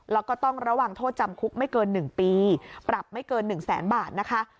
แล้วก็ต้องระวังโทษจำคุกไม่เกิน๑ปีปรับไม่เกิน๑แสนบาทนะคะ